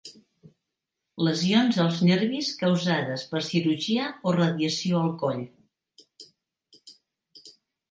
Lesions als nervis causades per cirurgia o radiació al coll.